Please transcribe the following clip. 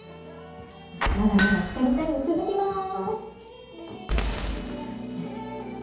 まだまだひかりタイム続きます！